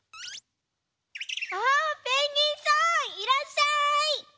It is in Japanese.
あペンギンさんいらっしゃい！